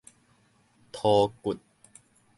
塗骨